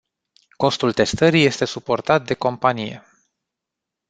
Costul testării este suportat de companie.